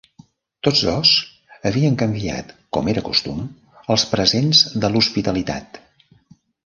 Tots dos havien canviat, com era costum, els presents de l'hospitalitat.